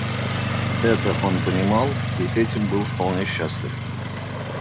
Это он понимал и этим был вполне счастлив.